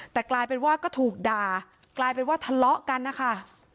แต่กลายเป็นว่าก็ถูกด่ากลายเป็นว่าทะเลาะกันนะคะ